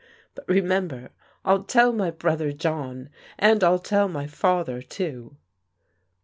But remember. 111 tell my brother John, and I'll tell my father, too."